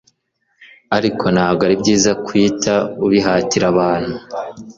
Ariko ntabwo ari byiza guhita ubihatira abantu